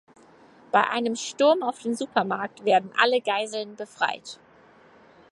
Bei einem Sturm auf den Supermarkt werden alle Geiseln befreit.